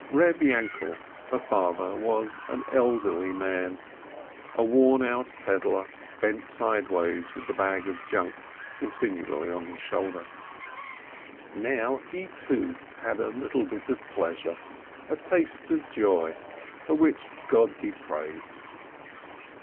Reb Yainkel, her father, was an elderly man, a worn out peddler, bent sideways with the bag of junk con tinually on his shoulder. A SIMPLE STORY 499 Now he, too, has a little bit of pleasure, a taste of joy, for which God be praised